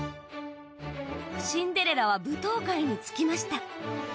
シンデレラは舞踏会に着きました。